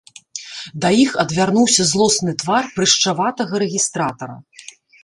Да іх адвярнуўся злосны твар прышчаватага рэгістратара.